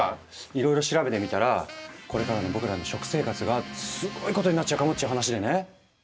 いろいろ調べてみたらこれからの僕らの食生活がすごいことになっちゃうかもっちゅう話でね。